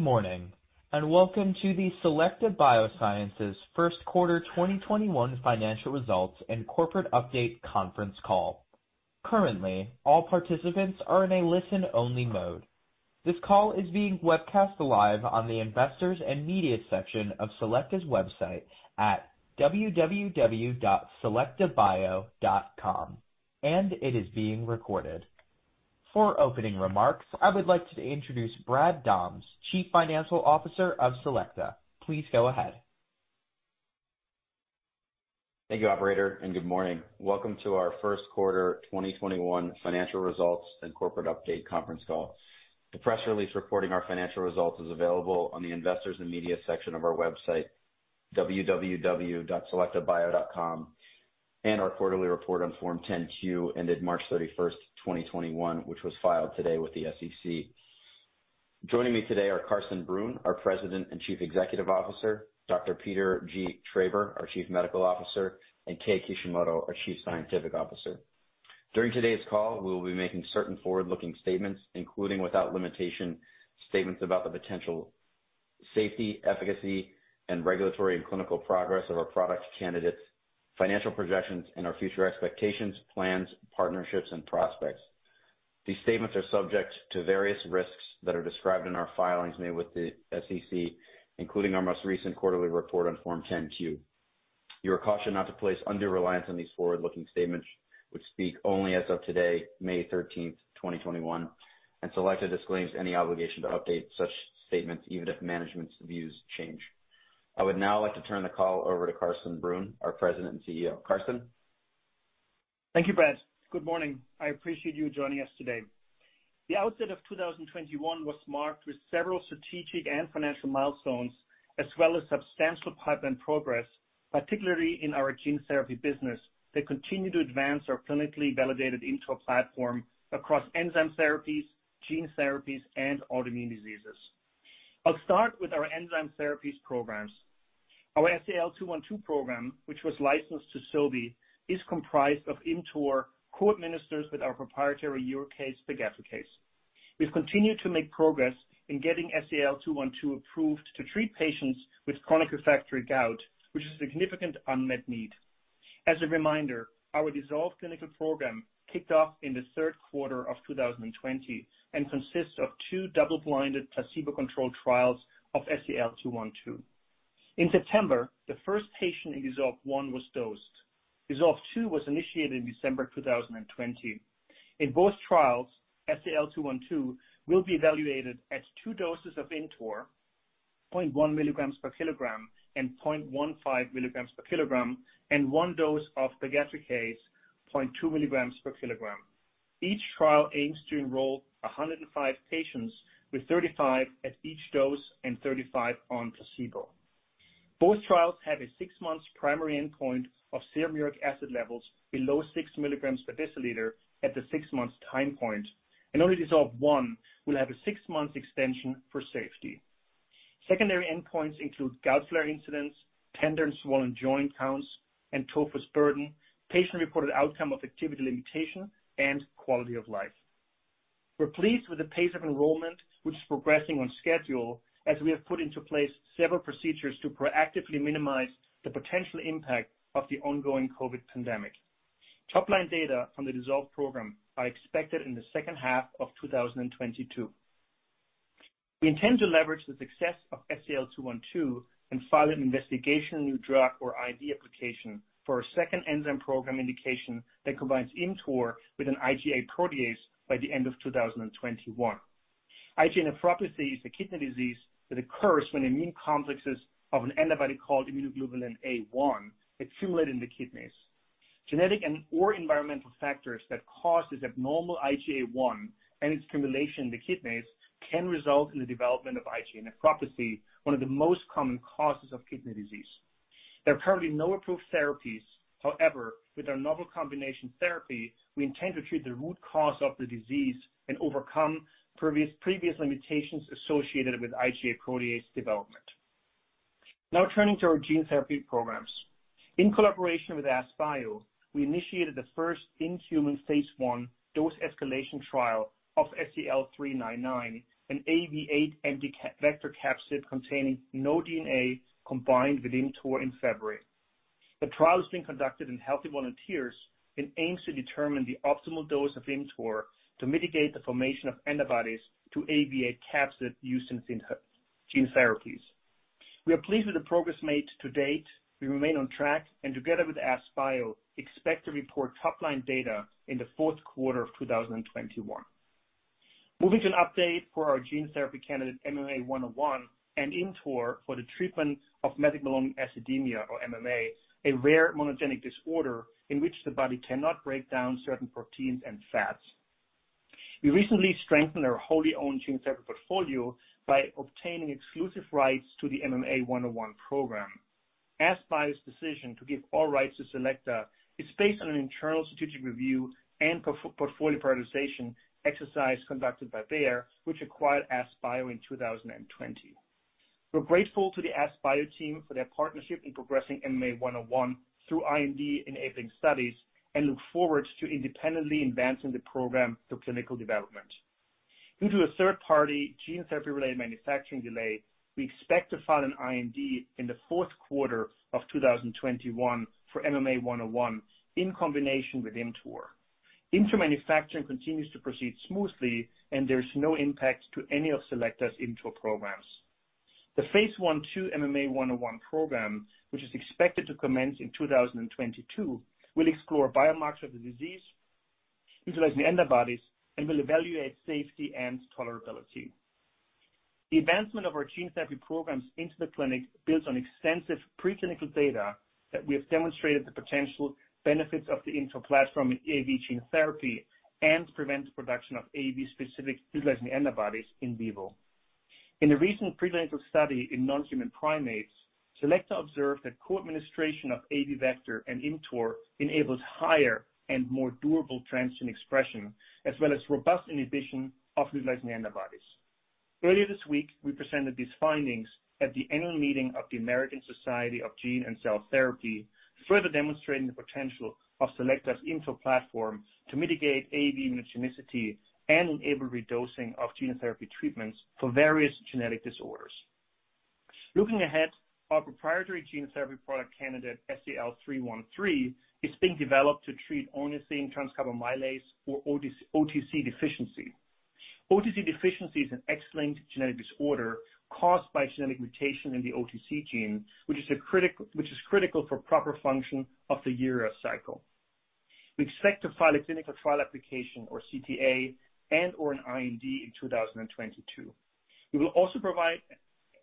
Good morning, and welcome to the Selecta Biosciences first quarter 2021 financial results and corporate update conference call. Currently, all participants are in a listen-only mode. This call is being webcast live on the Investors and Media section of Selecta's website at www.selectabio.com, and it is being recorded. For opening remarks, I would like to introduce Brad Dahms, Chief Financial Officer of Selecta. Please go ahead. Thank you, operator. Good morning. Welcome to our first quarter 2021 financial results and corporate update conference call. The press release reporting our financial results is available on the Investors and Media section of our website, and our quarterly report on Form 10-Q ended March 31st, 2021, which was filed today with the SEC. Joining me today are Carsten Brunn, our President and Chief Executive Officer, Dr. Peter G. Traber, our Chief Medical Officer, and Kei Kishimoto, our Chief Scientific Officer. During today's call, we will be making certain forward-looking statements, including without limitation, statements about the potential safety, efficacy, and regulatory and clinical progress of our product candidates, financial projections and our future expectations, plans, partnerships, and prospects. These statements are subject to various risks that are described in our filings made with the SEC, including our most recent quarterly report on Form 10-Q. You are cautioned not to place undue reliance on these forward-looking statements, which speak only as of today, May 13th, 2021, and Selecta disclaims any obligation to update such statements, even if management's views change. I would now like to turn the call over to Carsten Brunn, our President and CEO. Carsten? Thank you, Bradford D. Dahms. Good morning. I appreciate you joining us today. The outset of 2021 was marked with several strategic and financial milestones, as well as substantial pipe and progress, particularly in our gene therapy business, that continue to advance our clinically validated ImmTOR platform across enzyme therapies, gene therapies, and autoimmune diseases. I'll start with our enzyme therapies programs. Our SEL-212 program, which was licensed to Sobi, is comprised of ImmTOR co-administered with our proprietary uricase, pegadricase. We've continued to make progress in getting SEL-212 approved to treat patients with chronic refractory gout, which is a significant unmet need. As a reminder, our DISSOLVE clinical program kicked off in the third quarter of 2020 and consists of two double-blinded placebo-controlled trials of SEL-212. In September, the first patient in DISSOLVE 1 was dosed. DISSOLVE 2 was initiated in December 2020. In both trials, SEL-212 will be evaluated at two doses of ImmTOR, 0.1 milligrams per kilogram and 0.15 milligrams per kilogram, and one dose of pegadricase, 0.2 milligrams per kilogram. Each trial aims to enroll 105 patients with 35 at each dose and 35 on placebo. Both trials have a 6-month primary endpoint of serum uric acid levels below 6 milligrams per deciliter at the 6-month time point, and only DISSOLVE 1 will have a 6-month extension for safety. Secondary endpoints include gout flare incidents, tender and swollen joint counts, and tophus burden, patient-reported outcome of activity limitation, and quality of life. We're pleased with the pace of enrollment, which is progressing on schedule, as we have put into place several procedures to proactively minimize the potential impact of the ongoing COVID pandemic. Top-line data from the DISSOLVE program are expected in the second half of 2022. We intend to leverage the success of SEL-212 and file an Investigational New Drug or IND application for a second enzyme program indication that combines ImmTOR with an IgA protease by the end of 2021. IgA nephropathy is a kidney disease that occurs when immune complexes of an antibody called immunoglobulin A1 accumulate in the kidneys. Genetic and/or environmental factors that cause this abnormal IgA1 and its accumulation in the kidneys can result in the development of IgA nephropathy, one of the most common causes of kidney disease. There are currently no approved therapies. With our novel combination therapy, we intend to treat the root cause of the disease and overcome previous limitations associated with IgA protease development. Turning to our gene therapy programs. In collaboration with AskBio, we initiated the first in-human phase I dose escalation trial of SEL-399, an AAV8 empty vector capsid containing no DNA combined with ImmTOR in February. The trial is being conducted in healthy volunteers and aims to determine the optimal dose of ImmTOR to mitigate the formation of antibodies to AAV8 capsids used in gene therapies. We are pleased with the progress made to date. We remain on track, and together with AskBio, expect to report top-line data in the fourth quarter of 2021. Moving to an update for our gene therapy candidate MMA-101 and ImmTOR for the treatment of methylmalonic acidemia or MMA, a rare monogenic disorder in which the body cannot break down certain proteins and fats. We recently strengthened our wholly-owned gene therapy portfolio by obtaining exclusive rights to the MMA-101 program. AskBio's decision to give all rights to Selecta is based on an internal strategic review and portfolio prioritization exercise conducted by Bayer, which acquired AskBio in 2020. We're grateful to the AskBio team for their partnership in progressing MMA-101 through IND-enabling studies, and look forward to independently advancing the program through clinical development. Due to a third-party gene therapy-related manufacturing delay, we expect to file an IND in the fourth quarter of 2021 for MMA-101 in combination with ImmTOR. ImmTOR manufacturing continues to proceed smoothly. There is no impact to any of Selecta's ImmTOR programs. The phase I/II MMA-101 program, which is expected to commence in 2022, will explore biomarkers of the disease, utilize new antibodies, and will evaluate safety and tolerability. The advancement of our gene therapy programs into the clinic builds on extensive preclinical data that we have demonstrated the potential benefits of the ImmTOR platform in AAV gene therapy and prevents production of AAV-specific neutralizing antibodies in vivo. In a recent preclinical study in non-human primates, Selecta observed that co-administration of AAV vector and ImmTOR enables higher and more durable transgene expression, as well as robust inhibition of neutralizing antibodies. Earlier this week, we presented these findings at the annual meeting of the American Society of Gene & Cell Therapy, further demonstrating the potential of Selecta's ImmTOR platform to mitigate AAV immunogenicity and enable redosing of gene therapy treatments for various genetic disorders. Looking ahead, our proprietary gene therapy product candidate, SEL-313, is being developed to treat ornithine transcarbamylase or OTC deficiency. OTC deficiency is an X-linked genetic disorder caused by a genetic mutation in the OTC gene, which is critical for proper function of the urea cycle. We expect to file a clinical trial application or CTA and/or an IND in 2022. We will also provide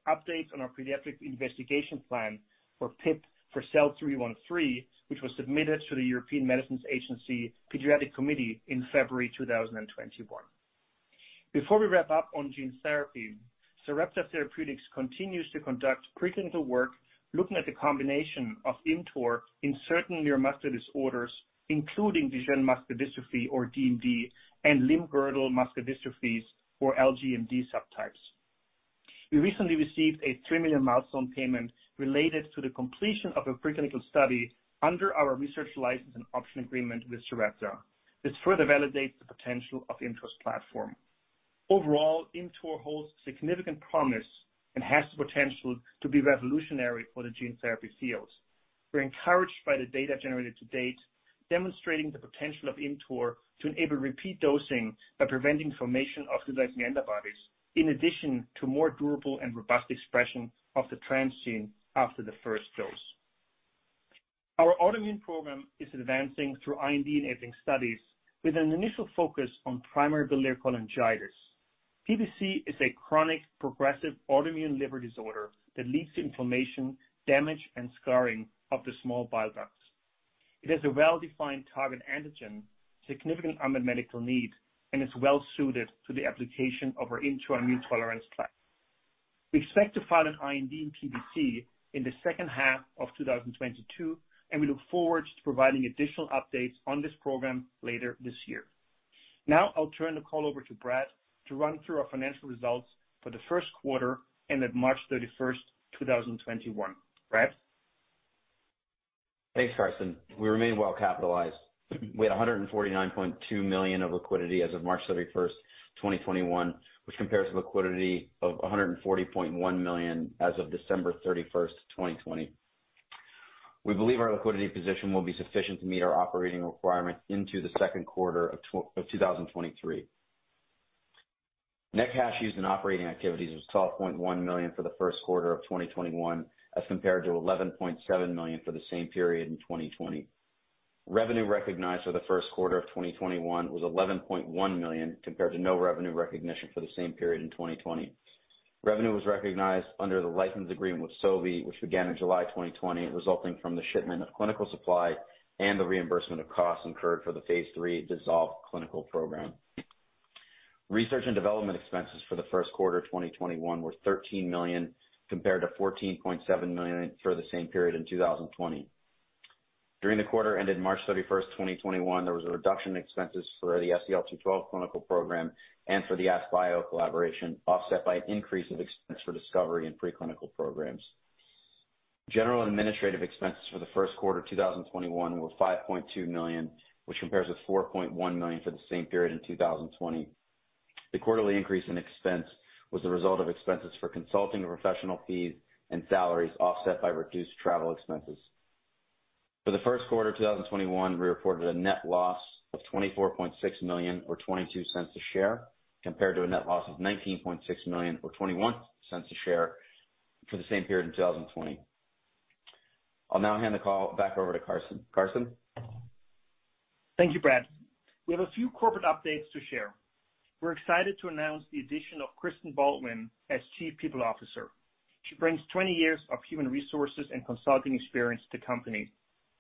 updates on our pediatric investigation plan or PIP for SEL-313, which was submitted to the European Medicines Agency Pediatric Committee in February 2021. Before we wrap up on gene therapy, Sarepta Therapeutics continues to conduct preclinical work looking at the combination of ImmTOR in certain neuromuscular disorders, including Duchenne muscular dystrophy or DMD, and limb-girdle muscular dystrophies or LGMD subtypes. We recently received a $3 million milestone payment related to the completion of a preclinical study under our research license and option agreement with Sarepta. This further validates the potential of ImmTOR's platform. Overall, ImmTOR holds significant promise and has the potential to be revolutionary for the gene therapy field. We're encouraged by the data generated to date, demonstrating the potential of ImmTOR to enable repeat dosing by preventing formation of neutralizing antibodies, in addition to more durable and robust expression of the transgene after the first dose. Our autoimmune program is advancing through IND-enabling studies with an initial focus on primary biliary cholangitis. PBC is a chronic progressive autoimmune liver disorder that leads to inflammation, damage, and scarring of the small bile ducts. It has a well-defined target antigen, significant unmet medical need, and is well-suited to the application of our ImmTOR immune tolerance platform. We expect to file an IND in PBC in the second half of 2022, and we look forward to providing additional updates on this program later this year. I'll turn the call over to Brad to run through our financial results for the first quarter ended March 31st, 2021. Brad? Thanks, Carsten. We remain well-capitalized. We had $149.2 million of liquidity as of March 31st, 2021, which compares to liquidity of $140.1 million as of December 31st, 2020. We believe our liquidity position will be sufficient to meet our operating requirements into the second quarter of 2023. Net cash used in operating activities was $12.1 million for the first quarter of 2021, as compared to $11.7 million for the same period in 2020. Revenue recognized for the first quarter of 2021 was $11.1 million, compared to no revenue recognition for the same period in 2020. Revenue was recognized under the license agreement with Sobi, which began in July 2020, resulting from the shipment of clinical supply and the reimbursement of costs incurred for the Phase III DISSOLVE clinical program. Research and development expenses for the first quarter 2021 were $13 million, compared to $14.7 million for the same period in 2020. During the quarter ended March 31st, 2021, there was a reduction in expenses for the SEL-212 clinical program and for the AskBio collaboration, offset by an increase of expense for discovery and preclinical programs. General and administrative expenses for the first quarter 2021 were $5.2 million, Which compares with $4.1 million for the same period in 2020. The quarterly increase in expense was the result of expenses for consulting and professional fees and salaries, offset by reduced travel expenses. For the first quarter 2021, we reported a net loss of $24.6 million or $0.22 a share, compared to a net loss of $19.6 million or $0.21 a share for the same period in 2020. I'll now hand the call back over to Carsten. Carsten? Thank you, Brad. We have a few corporate updates to share. We're excited to announce the addition of Kristen Baldwin as Chief People Officer. She brings 20 years of human resources and consulting experience to company.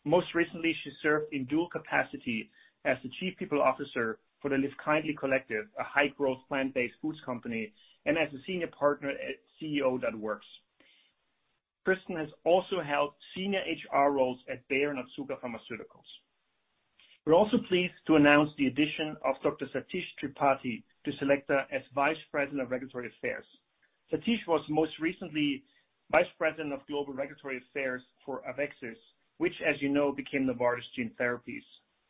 Most recently, she served in dual capacity as the Chief People Officer for the Livekindly Collective, a high-growth plant-based foods company, and as a Senior Partner at CEO.works. Kristen has also held senior HR roles at Bayer and Otsuka Pharmaceutical. We're also pleased to announce the addition of Dr. Satish Tripathi to Selecta as Vice President of Regulatory Affairs. Satish was most recently Vice President of Global Regulatory Affairs for AveXis, which as you know, became Novartis Gene Therapies.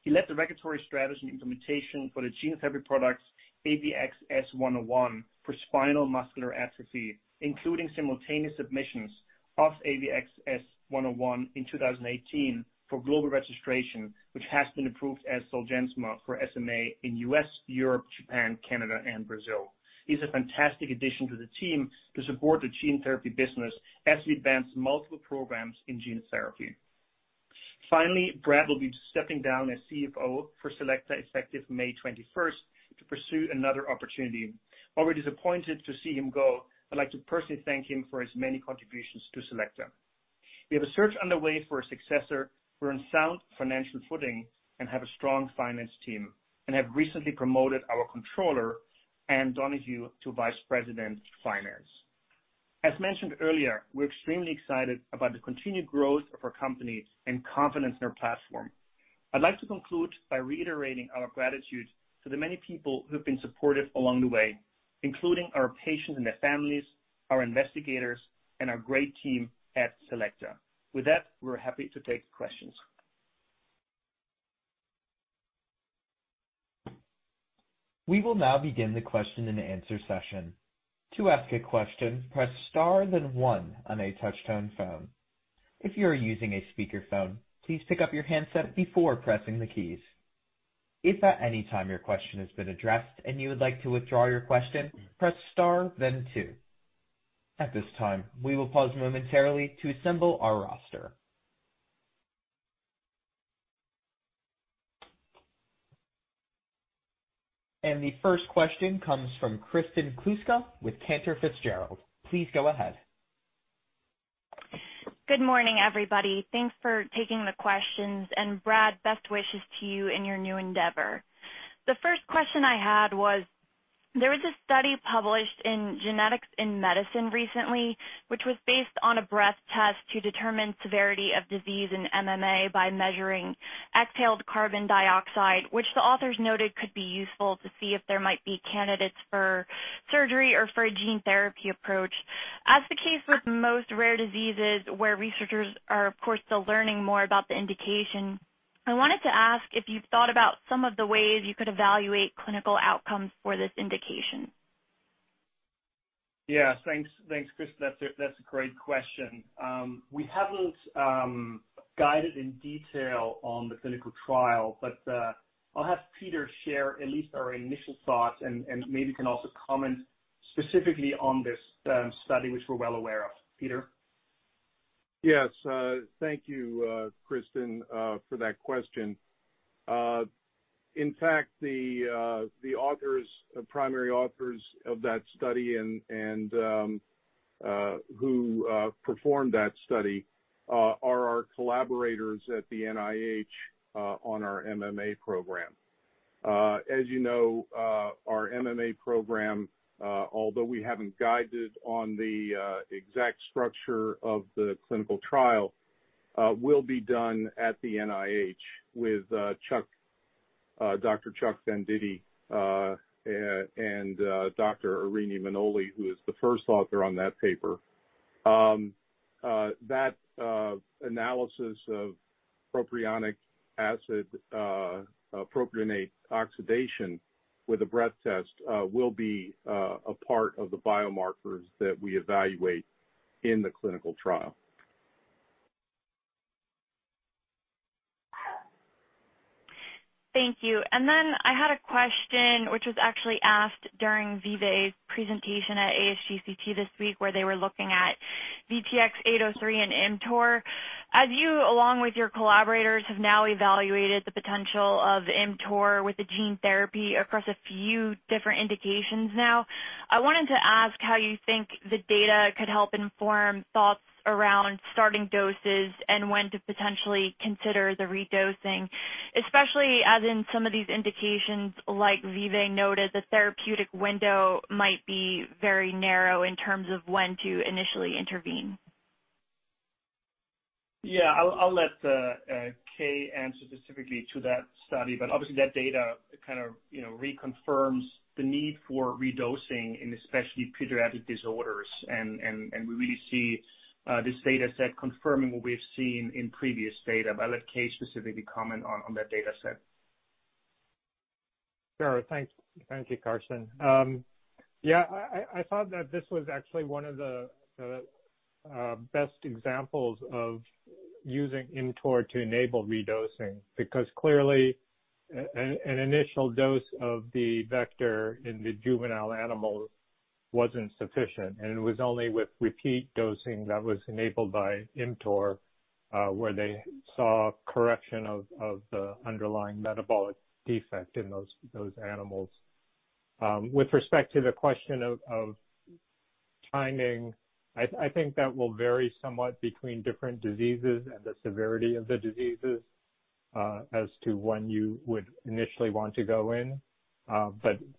He led the regulatory strategy and implementation for the gene therapy products AVXS-101 for spinal muscular atrophy, including simultaneous submissions of AVXS-101 in 2018 for global registration, which has been approved as Zolgensma for SMA in U.S., Europe, Japan, Canada and Brazil. He's a fantastic addition to the team to support the gene therapy business as we advance multiple programs in gene therapy. Brad will be stepping down as CFO for Selecta effective May 21st to pursue another opportunity. While we're disappointed to see him go, I'd like to personally thank him for his many contributions to Selecta. We have a search underway for a successor. We're on sound financial footing and have a strong finance team, and have recently promoted our controller, Ann Donohue, to Vice President of Finance. As mentioned earlier, we're extremely excited about the continued growth of our company and confidence in our platform. I'd like to conclude by reiterating our gratitude to the many people who have been supportive along the way, including our patients and their families, our investigators, and our great team at Selecta. With that, we're happy to take questions. We will now begin the question and answer session. To ask a question, press star and then 1 on a touchtone phone. If you're using a speakerphone, please pick up your handset before pressing the keys. If at any time your question has been addressed and you would like to withdraw your question, press star and then 2. At this time, we will pause momentarily to assemble our roster. The first question comes from Kristen Kluska with Cantor Fitzgerald. Please go ahead. Good morning, everybody. Thanks for taking the questions, and Brad, best wishes to you in your new endeavor. The first question I had was, there was a study published in Genetics in Medicine recently, which was based on a breath test to determine severity of disease in MMA by measuring exhaled carbon dioxide, which the authors noted could be useful to see if there might be candidates for surgery or for a gene therapy approach. As the case with most rare diseases, where researchers are of course, still learning more about the indication, I wanted to ask if you've thought about some of the ways you could evaluate clinical outcomes for this indication. Yes. Thanks, Kristen. That's a great question. We haven't guided in detail on the clinical trial, but, I'll have Peter share at least our initial thoughts and maybe can also comment specifically on this study, which we're well aware of. Peter? Yes. Thank you, Kristen, for that question. In fact, the primary authors of that study and who performed that study are our collaborators at the NIH on our MMA program. As you know, our MMA program, although we haven't guided on the exact structure of the clinical trial, will be done at the NIH with Dr. Charles Venditti, and Dr. Eirini Manoli, who is the first author on that paper. That analysis of propionic acid, propionate oxidation with a breath test, will be a part of the biomarkers that we evaluate in the clinical trial. Thank you. I had a question which was actually asked during Vivet's presentation at ASGCT this week, where they were looking at VTX-801 and ImmTOR. As you, along with your collaborators, have now evaluated the potential of ImmTOR with the gene therapy across a few different indications now, I wanted to ask how you think the data could help inform thoughts around starting doses and when to potentially consider the redosing. Especially as in some of these indications, like Vivet noted, the therapeutic window might be very narrow in terms of when to initially intervene. Yeah, I'll let Kei answer specifically to that study. Obviously that data reconfirms the need for redosing in especially pediatric disorders, and we really see this data set confirming what we've seen in previous data. I'll let Kei specifically comment on that data set. Sure. Thank you, Kristen. I thought that this was actually one of the best examples of using ImmTOR to enable redosing, because clearly an initial dose of the vector in the juvenile animal wasn't sufficient, and it was only with repeat dosing that was enabled by ImmTOR, where they saw correction of the underlying metabolic defect in those animals. With respect to the question of timing, I think that will vary somewhat between different diseases and the severity of the diseases. As to when you would initially want to go in.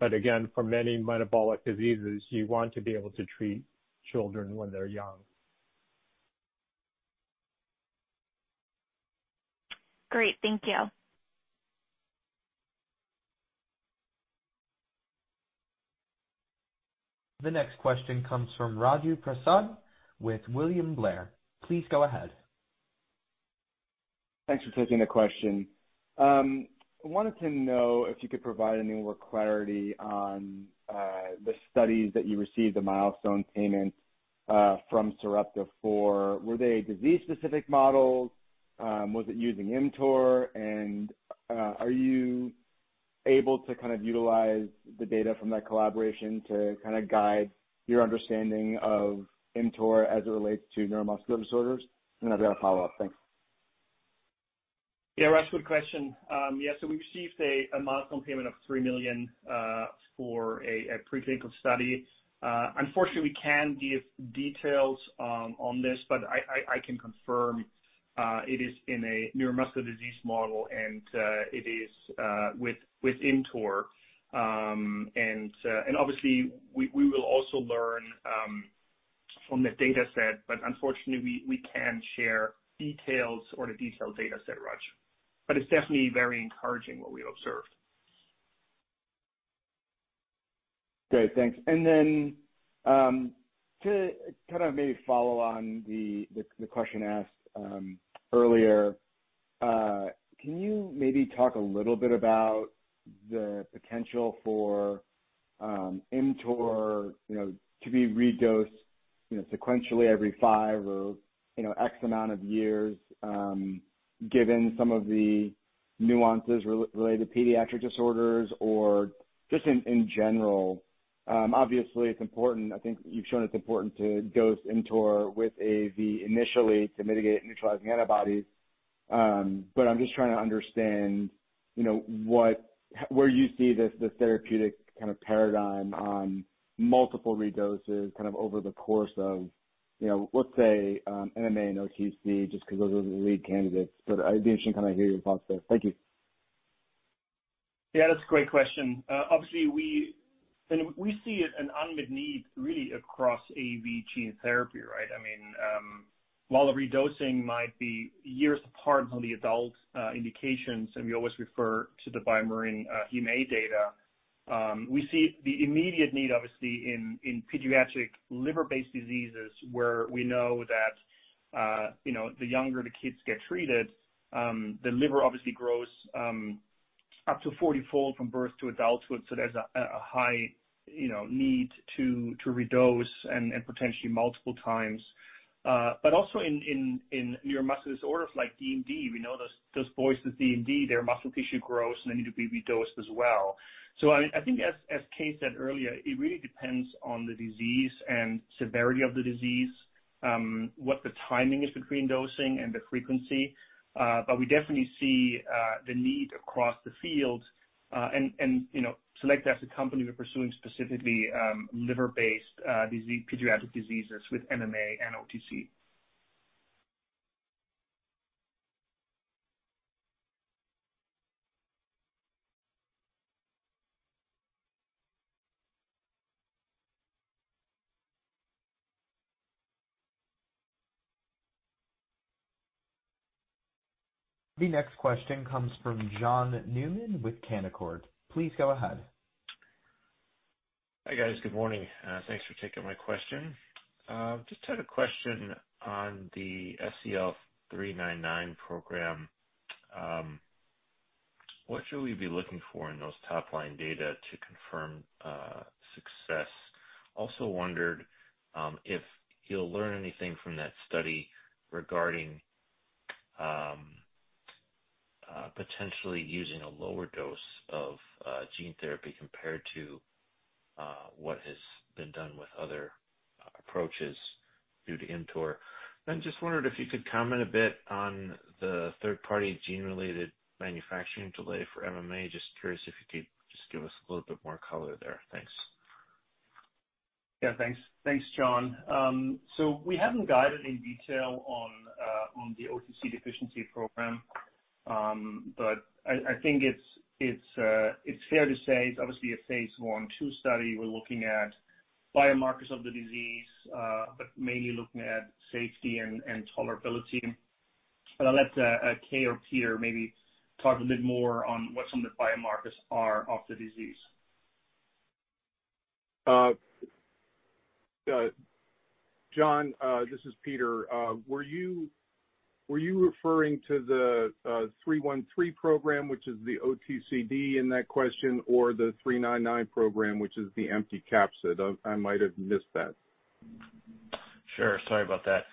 Again, for many metabolic diseases, you want to be able to treat children when they're young. Great. Thank you. The next question comes from Raju Prasad with William Blair. Please go ahead. Thanks for taking the question. I wanted to know if you could provide any more clarity on the studies that you received the milestone payment from Sarepta for. Were they disease specific models? Was it using ImmTOR and are you able to utilize the data from that collaboration to guide your understanding of ImmTOR as it relates to neuromuscular disorders? I've got a follow-up. Thanks. Yeah, Raju, good question. Yeah, we received a milestone payment of $3 million, for a preclinical study. Unfortunately, we can't give details on this, but I can confirm it is in a neuromuscular disease model and it is with ImmTOR. Obviously we will also learn from the data set, but unfortunately, we can't share details or the detailed data set, Raju. It's definitely very encouraging what we observed. Great. Thanks. To maybe follow on the question asked earlier, can you maybe talk a little bit about the potential for ImmTOR to be redosed sequentially every five or X amount of years, given some of the nuances related pediatric disorders or just in general? Obviously, it's important, I think you've shown it's important to dose ImmTOR with AAV initially to mitigate neutralizing antibodies. I'm just trying to understand where you see this therapeutic kind of paradigm on multiple redoses over the course of, let's say, MMA and OTC, just because those are the lead candidates, but I'd be interested to hear your thoughts there. Thank you. That's a great question. Obviously we see an unmet need really across AAV gene therapy, right? While the redosing might be years apart on the adult indications, and we always refer to the BioMarin HEMA data, we see the immediate need, obviously, in pediatric liver-based diseases where we know that the younger the kids get treated, the liver obviously grows up to 40-fold from birth to adulthood, so there's a high need to redose and potentially multiple times. Also in neuromuscular disorders like DMD, we know those boys with DMD, their muscle tissue grows, and they need to be redosed as well. I think as Kei said earlier, it really depends on the disease and severity of the disease, what the timing is between dosing and the frequency. We definitely see the need across the field, and Select, as a company, we're pursuing specifically liver-based pediatric diseases with MMA and OTC. The next question comes from John Newman with Canaccord. Please go ahead. Hi, guys. Good morning. Thanks for taking my question. Just had a question on the SEL-399 program. What should we be looking for in those top-line data to confirm success? Also wondered if you'll learn anything from that study regarding potentially using a lower dose of gene therapy compared to what has been done with other approaches due to ImmTOR. Just wondered if you could comment a bit on the third-party gene-related manufacturing delay for MMA. Just curious if you could give us a little bit more color there. Thanks. Yeah, thanks. Thanks, John. We haven't guided any detail on the OTC deficiency program. I think it's fair to say it's obviously a phase I and II study. We're looking at biomarkers of the disease, but mainly looking at safety and tolerability. I'll let Kei or Peter maybe talk a bit more on what some of the biomarkers are of the disease. John, this is Peter. Were you referring to the 313 program, which is the OTCD in that question or the 399 program, which is the empty capsid? I might have missed that. Sure. Sorry about that.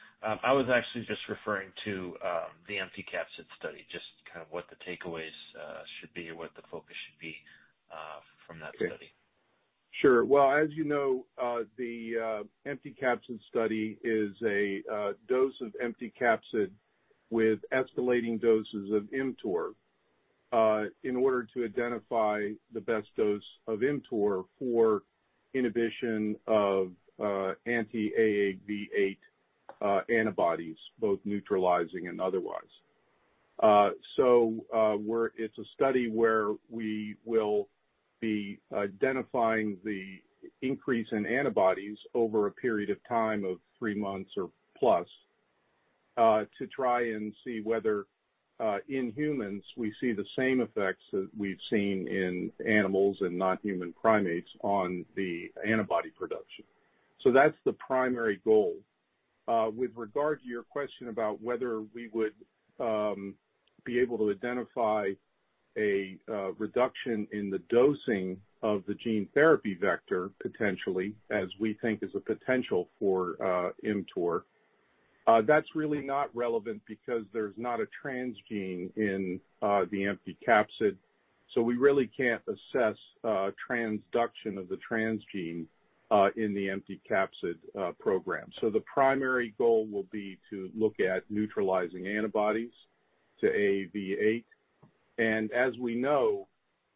I was actually just referring to the empty capsid study, just kind of what the takeaways should be or what the focus should be from that study. Sure. Well, as you know, the empty capsid study is a dose of empty capsid with escalating doses of ImmTOR in order to identify the best dose of ImmTOR for inhibition of anti-AAV8 antibodies, both neutralizing and otherwise. It's a study where we will be identifying the increase in antibodies over a period of time of three months or plus, to try and see whether, in humans, we see the same effects that we've seen in animals and non-human primates on the antibody production. That's the primary goal. With regard to your question about whether we would be able to identify a reduction in the dosing of the gene therapy vector, potentially, as we think is a potential for ImmTOR. That's really not relevant because there's not a transgene in the empty capsid, so we really can't assess transduction of the transgene, in the empty capsid program. The primary goal will be to look at neutralizing antibodies to AAV8. As we know,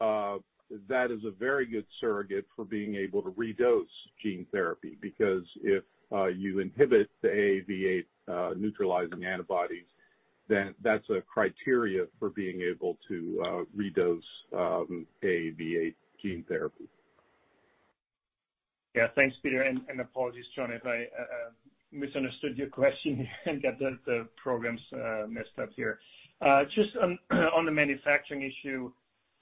that is a very good surrogate for being able to redose gene therapy, because if you inhibit the AAV8 neutralizing antibodies, then that's a criteria for being able to redose AAV8 gene therapy. Thanks, Peter, and apologies, John, if I misunderstood your question and got the programs messed up here. Just on the manufacturing issue,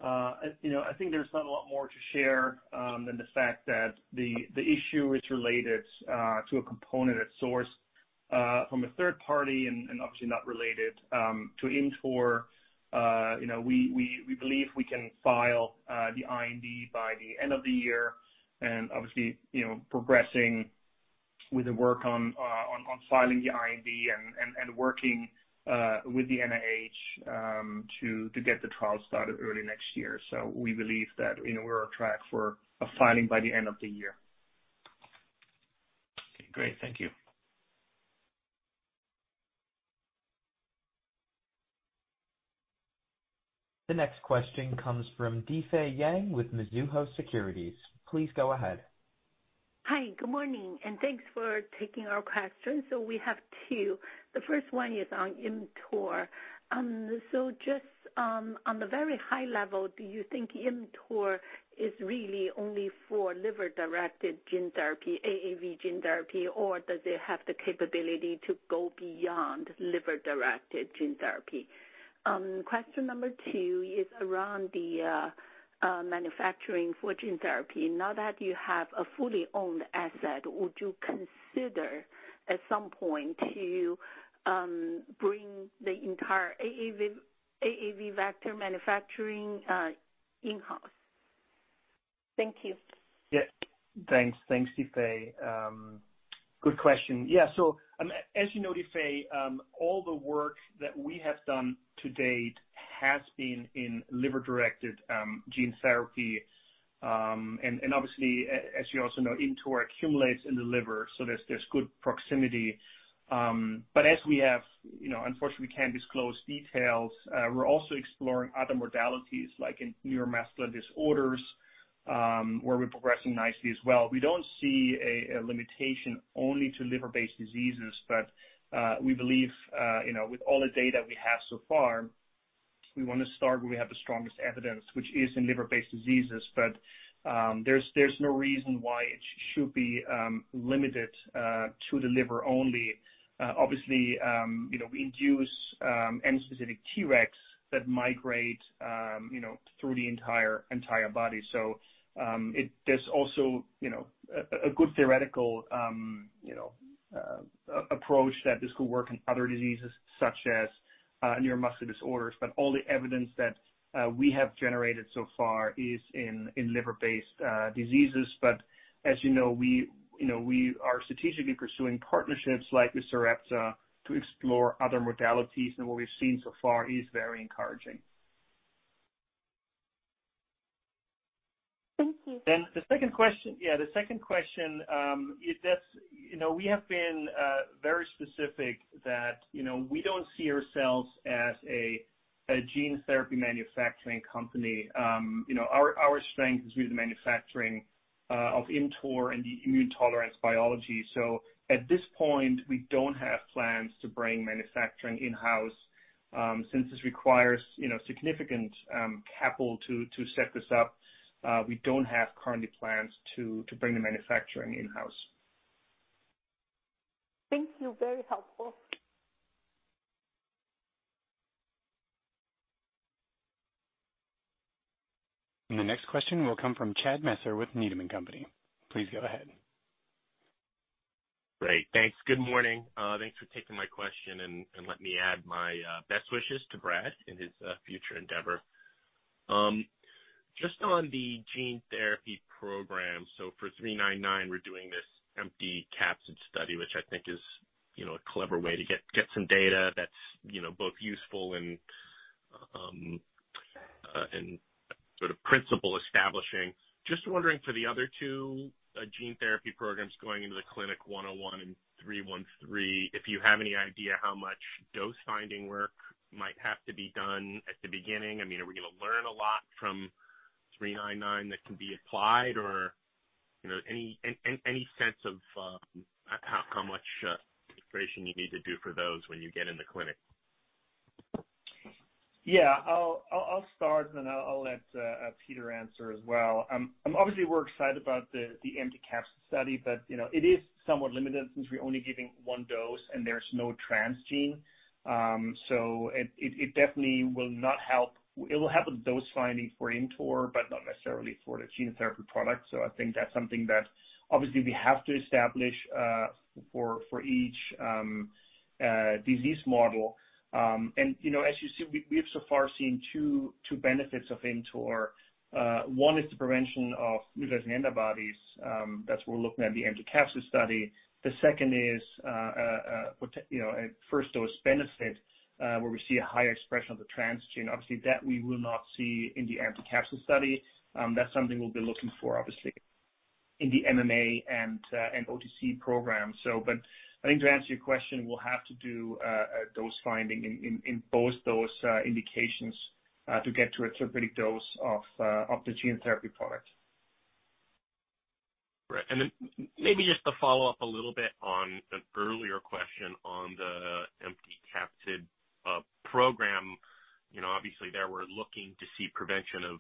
I think there's not a lot more to share than the fact that the issue is related to a component at source from a third party and obviously not related to ImmTOR. We believe we can file the IND by the end of the year, and obviously, progressing with the work on filing the IND and working with the NIH to get the trial started early next year. We believe that we're on track for a filing by the end of the year. Okay, great. Thank you. The next question comes from Difei Yang with Mizuho Securities. Please go ahead. Hi, good morning. Thanks for taking our questions. We have two. The first one is on ImmTOR. Just on the very high level, do you think ImmTOR is really only for liver-directed gene therapy, AAV gene therapy, or does it have the capability to go beyond liver-directed gene therapy? Question number 2 is around the manufacturing for gene therapy. Now that you have a fully owned asset, would you consider, at some point, to bring the entire AAV vector manufacturing in-house? Thank you. Thanks, Difei. Good question. As you know, Difei, all the work that we have done to date has been in liver-directed gene therapy. Obviously, as you also know, ImmTOR accumulates in the liver, so there's good proximity. Unfortunately, we can't disclose details. We're also exploring other modalities, like in neuromuscular disorders, where we're progressing nicely as well. We don't see a limitation only to liver-based diseases. We believe, with all the data we have so far, we want to start where we have the strongest evidence, which is in liver-based diseases. There's no reason why it should be limited to the liver only. Obviously, we induce antigen-specific Tregs that migrate through the entire body. There's also a good theoretical approach that this could work in other diseases, such as neuromuscular disorders. All the evidence that we have generated so far is in liver-based diseases. As you know, we are strategically pursuing partnerships like with Sarepta to explore other modalities, and what we've seen so far is very encouraging. Thank you. The second question. Yeah, the second question, we have been very specific that we don't see ourselves as a gene therapy manufacturing company. Our strength is really the manufacturing of ImmTOR and the immune tolerance biology. At this point, we don't have plans to bring manufacturing in-house. Since this requires significant capital to set this up, we don't have currently plans to bring the manufacturing in-house. Thank you. Very helpful. The next question will come from Chad Messer with Needham & Company. Please go ahead. Great, thanks. Good morning. Thanks for taking my question, and let me add my best wishes to Brad in his future endeavor. Just on the gene therapy program, so for 399, we're doing this empty capsid study, which I think is a clever way to get some data that's both useful and Sort of principle establishing. Just wondering for the other two gene therapy programs going into the clinic 101 and 313, if you have any idea how much dose-finding work might have to be done at the beginning. Are we going to learn a lot from 399 that can be applied? Any sense of how much preparation you need to do for those when you get in the clinic? Yeah. I'll start and then I'll let Peter answer as well. We're excited about the empty capsule study, but it is somewhat limited since we're only giving one dose and there's no transgene. It definitely will help with dose-finding for ImmTOR, but not necessarily for the gene therapy product. I think that's something that obviously we have to establish for each disease model. As you see, we have so far seen two benefits of ImmTOR. One is the prevention of neutralizing antibodies. That's what we're looking at in the empty capsule study. The second is a first-dose benefit, where we see a higher expression of the transgene. That we will not see in the empty capsule study. That's something we'll be looking for, obviously, in the MMA and OTC program. I think to answer your question, we'll have to do a dose finding in both those indications to get to a therapeutic dose of the gene therapy product. Right. Maybe just to follow up a little bit on an earlier question on the empty capsid program. Obviously there we're looking to see prevention of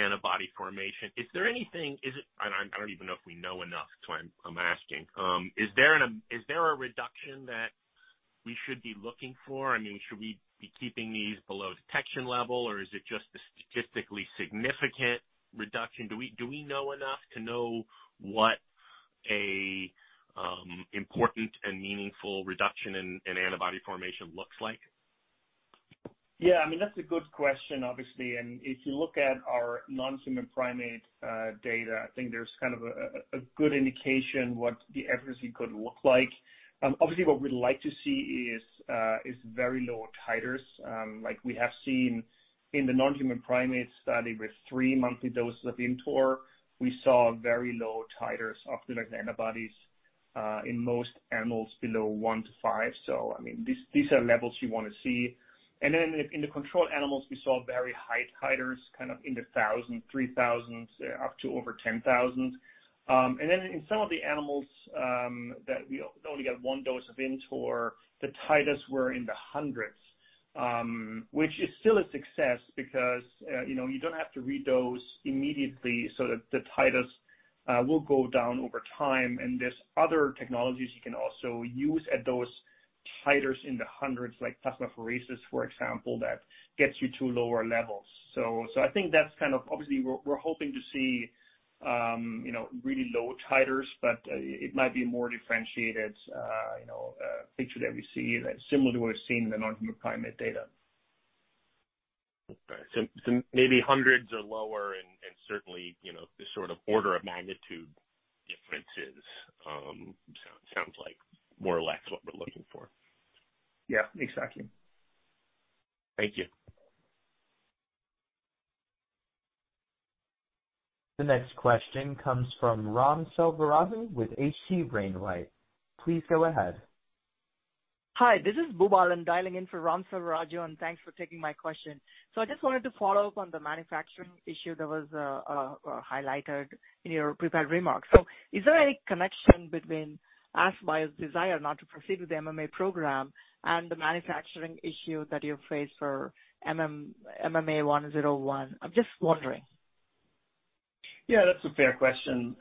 antibody formation. Is there anything, and I don't even know if we know enough, that's why I'm asking. Is there a reduction that we should be looking for? Should we be keeping these below detection level, or is it just a statistically significant reduction? Do we know enough to know what an important and meaningful reduction in antibody formation looks like? Yeah, that's a good question, obviously. If you look at our non-human primate data, I think there's kind of a good indication what the efficacy could look like. Obviously, what we'd like to see is very low titers, like we have seen in the non-human primate study with three monthly doses of ImmTOR. We saw very low titers of the right antibodies in most animals below 1 to 5. These are levels you want to see. In the control animals, we saw very high titers, kind of in the 1,000, 3,000, up to over 10,000. In some of the animals that we only gave one dose of ImmTOR, the titers were in the hundreds. Which is still a success because you don't have to redose immediately, so that the titers will go down over time. There's other technologies you can also use at those titers in the hundreds, like plasmapheresis, for example, that gets you to lower levels. I think that's kind of, obviously, we're hoping to see really low titers, but it might be a more differentiated picture that we see, similar to what we've seen in the non-human primate data. Okay. Maybe hundreds or lower and certainly, the sort of order-of-magnitude differences sounds like more or less what we're looking for. Yeah, exactly. Thank you. The next question comes from Ram Selvaraju with H.C. Wainwright. Please go ahead. Hi, this is Boobalan dialing in for Ram Selvaraju. Thanks for taking my question. I just wanted to follow up on the manufacturing issue that was highlighted in your prepared remarks. Is there any connection between AskBio's desire not to proceed with the MMA program and the manufacturing issue that you face for MMA-101? I'm just wondering. Yeah, that's a fair question.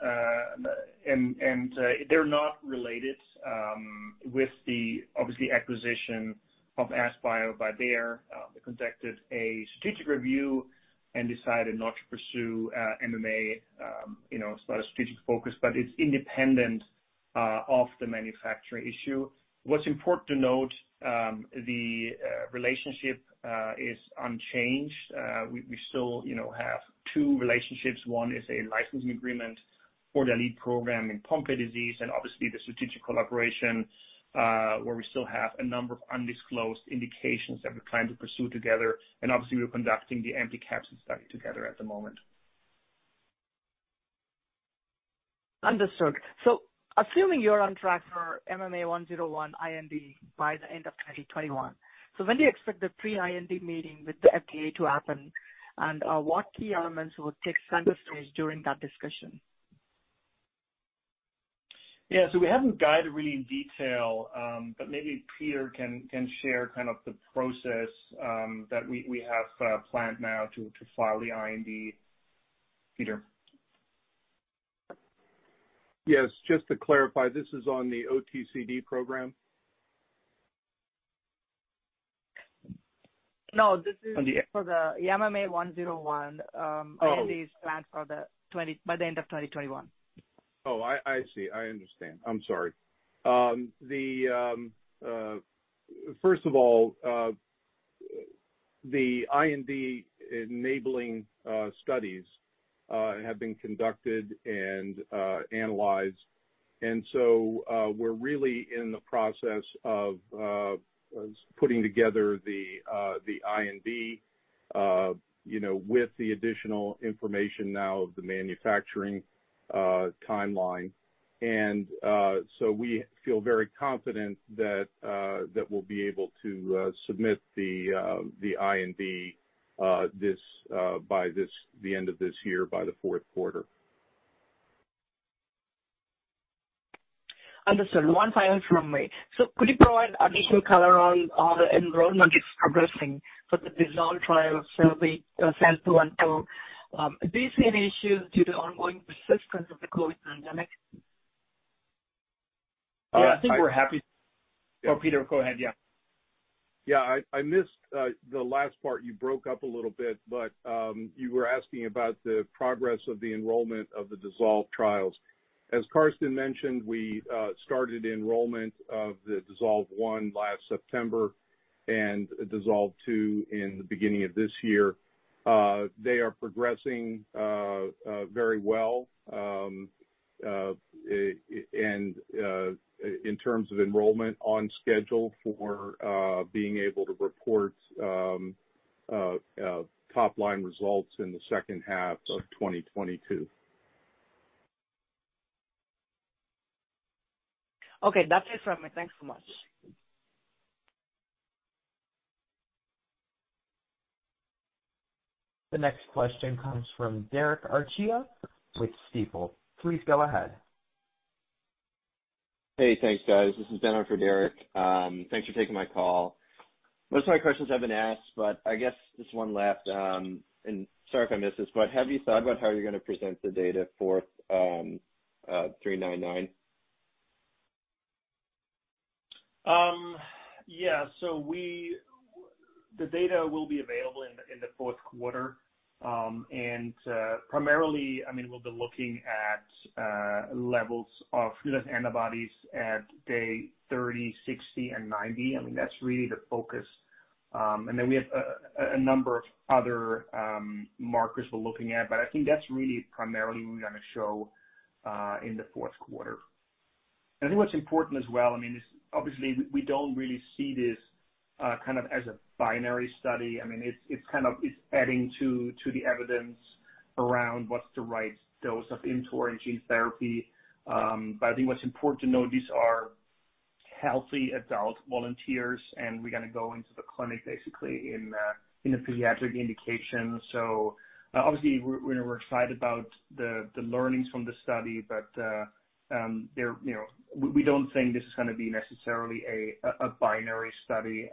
They're not related with the, obviously, acquisition of AskBio by Bayer. They conducted a strategic review and decided not to pursue MMA. It's not a strategic focus, but it's independent of the manufacturing issue. What's important to note, the relationship is unchanged. We still have two relationships. One is a licensing agreement for the lead program in Pompe disease and obviously the strategic collaboration, where we still have a number of undisclosed indications that we're trying to pursue together. Obviously, we're conducting the empty capsule study together at the moment. Understood. Assuming you're on track for MMA-101 IND by the end of 2021. When do you expect the pre-IND meeting with the FDA to happen? What key elements will take center stage during that discussion? Yeah, we haven't guided really in detail. Maybe Peter can share the process that we have planned now to file the IND. Peter. Yes, just to clarify, this is on the OTCD program? No, this is for the MMA-101- Oh IND is planned by the end of 2021. Oh, I see. I understand. I'm sorry. First of all, the IND-enabling studies Have been conducted and analyzed. We're really in the process of putting together the IND with the additional information now of the manufacturing timeline. We feel very confident that we'll be able to submit the IND by the end of this year, by the fourth quarter. Understood. One final from me. Could you provide additional color on how the enrollment is progressing for the DISSOLVE trial of SEL-212? Do you see any issues due to ongoing persistence of the COVID pandemic? Yeah, I think we're happy. Oh, Peter, go ahead. Yeah. Yeah, I missed the last part. You broke up a little bit. You were asking about the progress of the enrollment of the DISSOLVE trials. As Carsten mentioned, we started enrollment of the DISSOLVE 1 last September. DISSOLVE 2 in the beginning of this year. They are progressing very well. In terms of enrollment, on schedule for being able to report top-line results in the second half of 2022. Okay. That's it from me. Thanks so much. The next question comes from Derek Archila with Stifel. Please go ahead. Hey, thanks, guys. This is Derek Archila. Thanks for taking my call. Most of my questions have been asked, but I guess just one left, and sorry if I missed this, but have you thought about how you're going to present the data for 399? The data will be available in the fourth quarter. Primarily, we'll be looking at levels of neutralizing antibodies at day 30, 60, and 90. That's really the focus. Then we have a number of other markers we're looking at. I think that's really primarily what we're going to show in the fourth quarter. I think what's important as well is, obviously, we don't really see this kind of as a binary study. It's adding to the evidence around what's the right dose of our gene therapy. I think what's important to know, these are healthy adult volunteers, and we're going to go into the clinic basically in a pediatric indication. Obviously we're excited about the learnings from the study. We don't think this is going to be necessarily a binary study.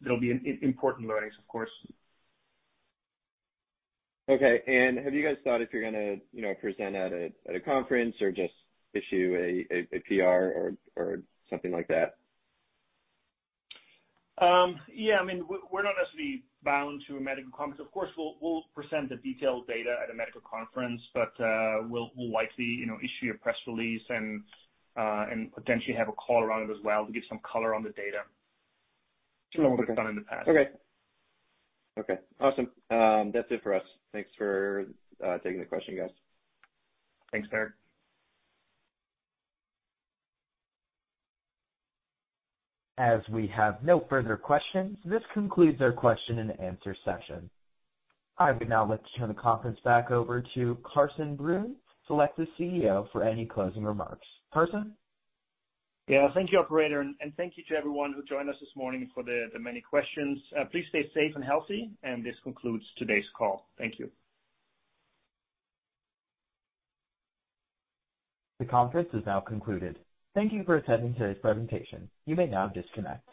There'll be important learnings, of course. Okay. Have you guys thought if you're going to present at a conference or just issue a PR or something like that? Yeah, we're not necessarily bound to a medical conference. Of course, we'll present the detailed data at a medical conference, but we'll likely issue a press release and potentially have a call around it as well to give some color on the data similar to what we've done in the past. Okay. Awesome. That's it for us. Thanks for taking the question, guys. Thanks, Derek. As we have no further questions, this concludes our question and answer session. I would now like to turn the conference back over to Carsten Brunn, Cartesian's CEO, for any closing remarks. Carsten? Yeah, thank you, operator, and thank you to everyone who joined us this morning for the many questions. Please stay safe and healthy, and this concludes today's call. Thank you. The conference is now concluded. Thank you for attending today's presentation. You may now disconnect.